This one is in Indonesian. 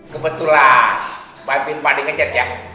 kebetulan bantuin pak d ngechat ya